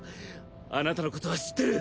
あなたの事は知ってる。